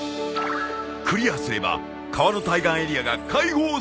クリアすれば川の対岸エリアが開放される。